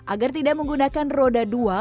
agar tidak menggunakan roda dua